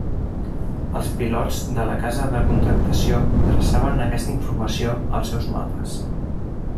Els pilots de la Casa de Contractació traçaven aquesta informació als seus mapes.